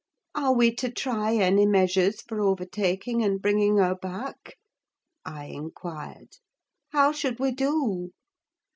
"Are we to try any measures for overtaking and bringing her back," I inquired. "How should we do?"